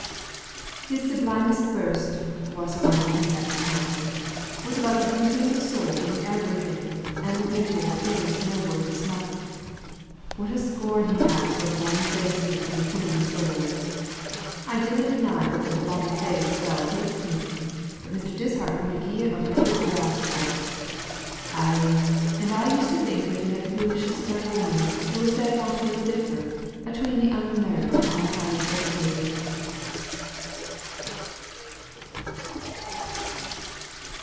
"His sublimest burst," Waster Lunny came back to tell me, "was about the beauty o' the soul being everything and the beauty o' the face no worth a snuff. What a scorn he has for bonny faces and toom souls! I dinna deny but what a bonny face fell takes me, but Mr. Dishart wouldna gi'e a blade o' grass for't. Ay, and I used to think that in their foolishness about women there was dagont little differ atween the unlearned and the highly edicated."